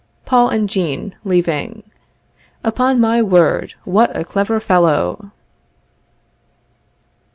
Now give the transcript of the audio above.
Paul and Jean (leaving). Upon my word, what a clever fellow!